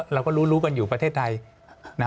เราก็รู้กันอยู่ประเทศไทย